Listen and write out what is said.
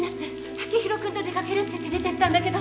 剛洋君と出かけるって言って出てったんだけど。